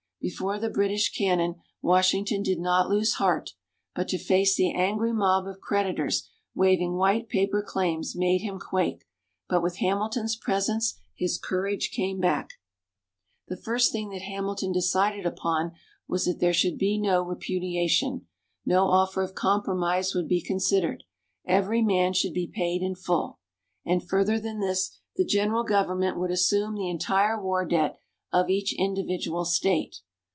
Before the British cannon, Washington did not lose heart, but to face the angry mob of creditors waving white paper claims made him quake; but with Hamilton's presence his courage came back. The first thing that Hamilton decided upon was that there should be no repudiation no offer of compromise would be considered every man should be paid in full. And further than this, the general government would assume the entire war debt of each individual State.